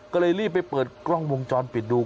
ก็เลยรีบไปเปิดกล้องวงจรปิดดู